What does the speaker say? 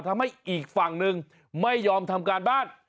อีกฝั่งหนึ่งไม่ยอมทำการบ้าน